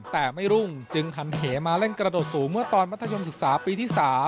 แต่ไม่รุ่งจึงทันเหมาเล่นกระโดดสูงเมื่อตอนมัธยมศึกษาปีที่๓